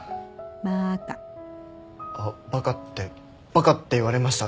あっバカってバカって言われました。